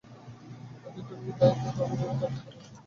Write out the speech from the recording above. আজও তুমি তাই থাকো–আমি দূরে থাকিয়া তোমার কর্ম করি।